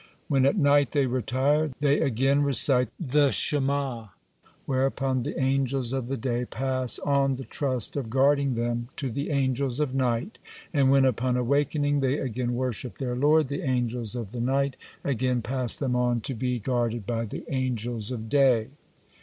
When at night they retire, they against recite the Shema', whereupon the angels of the day pass on the trust of guarding them to the angels of night, and when, upon awakening they again worship their Lord, the angels of the night again pass them on to be guarded by the angels of day."